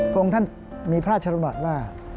พรงท่านมีพระราชดำรัฐว่า